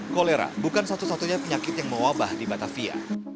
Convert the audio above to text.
kolera bukan satu satunya penyakit yang mewabah di batavia